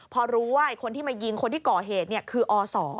พอรู้ว่าคนที่มายิงคนที่ก่อเหตุคืออศ